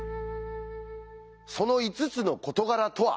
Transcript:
その５つの事柄とは？